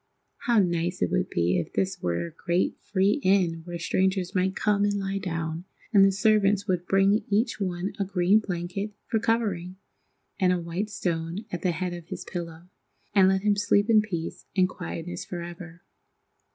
How nice it would be if this were a great, free inn where strangers might come and lie down, and the servants would bring each one a green blanket for covering, and a white stone at the head of his pillow, and let him sleep in peace and quietness forever.